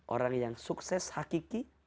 orang yang sukses hakiki